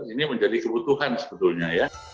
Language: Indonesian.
ini menjadi kebutuhan sebetulnya